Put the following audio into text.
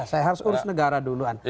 saya harus urus negara duluan